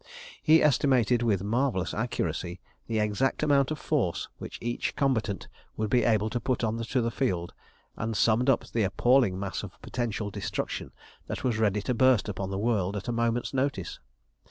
He estimated with marvellous accuracy the exact amount of force which each combatant would be able to put on to the field, and summed up the appalling mass of potential destruction that was ready to burst upon the world at a moment's notice.